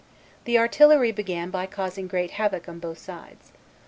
The artillery began by causing great havoc on both sides.